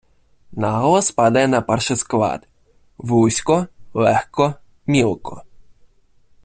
Наголос падає на перший склад: вузько, легко, мілко.